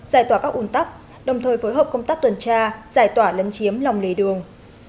giải tỏa các un tắc đồng thời phối hợp công tác tuần tra giải tỏa lấn chiếm lòng lề đường